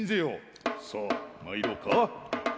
さあまいろうか。